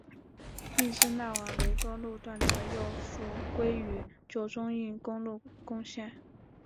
密支那往雷多路段则又复归与旧中印公路共线。